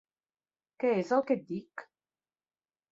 Què és el que et dic?